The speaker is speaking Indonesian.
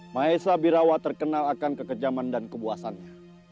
maesha birawa terkenal akan kekejaman dan kebuasannya